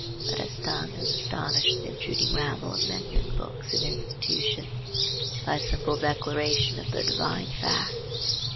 Let us stun and astonish the intruding rabble of men and books and institutions, by a simple declaration of the divine fact.